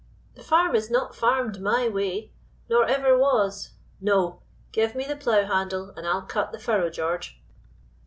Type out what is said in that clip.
"The farm is not farmed my way, nor ever was. No! Give me the plow handle and I'll cut the furrow, George."